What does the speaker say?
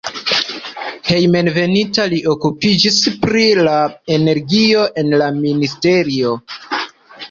Hejmenveninta li okupiĝis pri la energio en la ministerio.